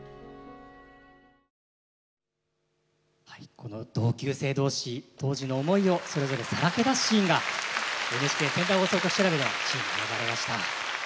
この同級生同士当時の思いをそれぞれさらけ出すシーンがＮＨＫ仙台放送局調べでは１位に選ばれました。